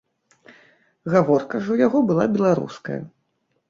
Гаворка ж у яго была беларуская.